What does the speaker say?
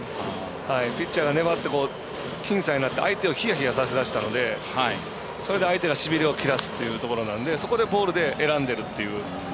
ピッチャーが粘って僅差になって相手をひやひやさせ出したのでそれで相手がしびれを切らすというところなのでそこでボールで選んでいると。